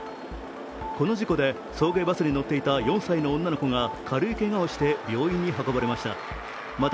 この事故で、送迎バスに乗っていた４歳の女の子が軽いけがをして病院に運ばれました。